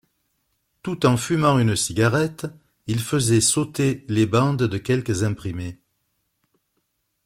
Tout en fumant une cigarette, il faisait sauter les bandes de quelques imprimés.